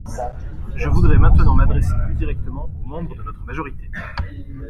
Je voudrais maintenant m’adresser plus directement aux membres de notre majorité.